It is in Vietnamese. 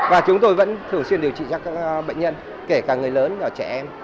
và chúng tôi vẫn thường xuyên điều trị cho các bệnh nhân kể cả người lớn và trẻ em